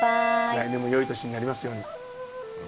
来年もよい年になりますように。